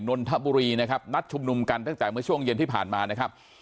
นนทบุรีนะครับนัดชุมนุมกันตั้งแต่เมื่อช่วงเย็นที่ผ่านมานะครับ